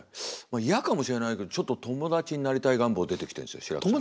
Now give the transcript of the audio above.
嫌かもしれないけどちょっと友達になりたい願望出てきてんすよ志らくさんと。